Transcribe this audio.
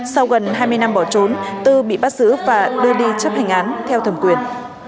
sau gần hai mươi năm bỏ trốn tư bị bắt giữ và đưa đi chấp hành án theo thẩm quyền